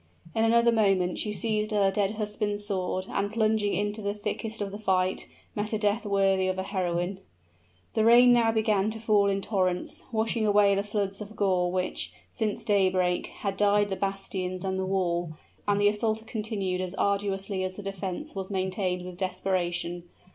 In another moment she seized her dead husband's sword, and plunging into the thickest of the fight, met a death worthy of a heroine. The rain now began to fall in torrents, washing away the floods of gore which, since daybreak, had dyed the bastions and the wall; and the assault continued as arduously as the defense was maintained with desperation.